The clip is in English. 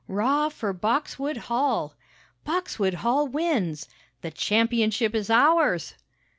"'Rah for Boxwood Hall!" "Boxwood Hall wins!" "The championship is ours!"